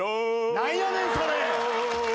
何やねんそれ！